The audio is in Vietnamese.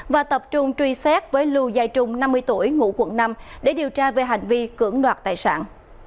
và tập trung truy xét với lưu giai trung năm mươi tuổi ngụ quận năm để điều tra về hành vi cưỡng đoạt tài sản